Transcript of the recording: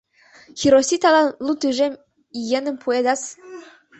Хироситалан лу тӱжем иеным пуэндас!